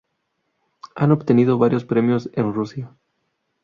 Han obtenido varios premios en Rusia.